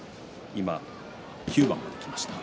今、９番まできました。